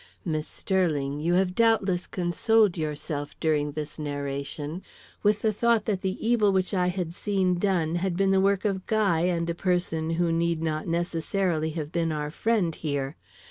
"Miss Sterling, you have doubtless consoled yourself during this narration with the thought that the evil which I had seen done had been the work of Guy and a person who need not necessarily have been our friend here.